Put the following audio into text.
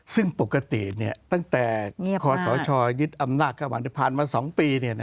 ซึ่งปกติเนี่ยตั้งแต่เงียบมากคอสชอยิดอำนาจกระหว่างที่ผ่านมาสองปีเนี่ยนะ